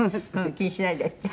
「気にしないで」って。